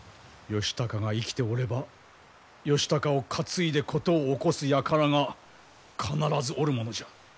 義高が生きておれば義高を担いで事を起こすやからが必ずおるものじゃ。